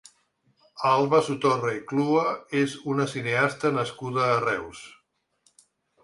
Alba Sotorra i Clua és una cineasta nascuda a Reus.